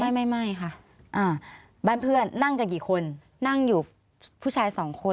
ไม่ไม่ค่ะอ่าบ้านเพื่อนนั่งกันกี่คนนั่งอยู่ผู้ชายสองคน